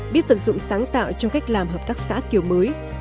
biết vận dụng sáng tạo trong cách làm hợp tác xã kiểu mới